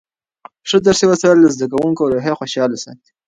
ښه درسي وسایل د زده کوونکو روحیه خوشحاله ساتي.